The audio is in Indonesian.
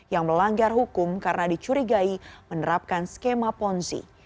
yang melanggar hukum karena dicurigai menerapkan skema ponzi